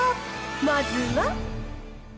まずは。